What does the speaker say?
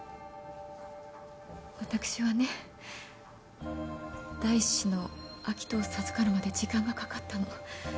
私はね第一子の明人を授かるまで時間がかかったの。